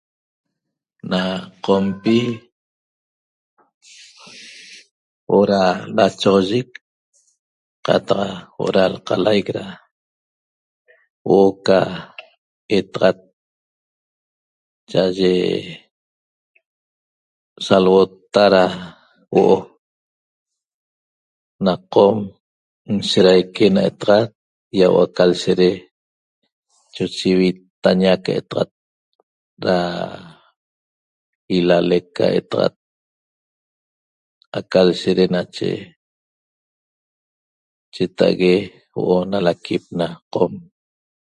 Na qompi huo'o ra lachoxoyec qataq huo'o ra lqalaic ra huo'o ca etaxat cha'aye salhuotta ra huo'o na qom nsheraique na etaxat iahuo'o ca lshere choche ivitaña aca etaxat ra ilalec ca etaxat aca lshere nache cheta'ague huo'o na laquip na qom